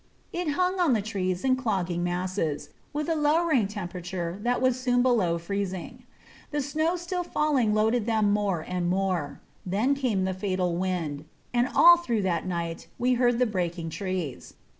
It hung on the trees in clogging masses, with a lowering temperature that was soon below freezing. The snow still falling loaded them more and more; then came the fatal wind, and all through that night we heard the breaking trees.